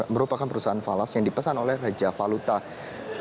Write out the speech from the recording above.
merupakan perusahaan falas yang dipesan oleh raja valutas